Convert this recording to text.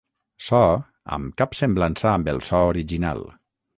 So amb cap semblança amb el so original.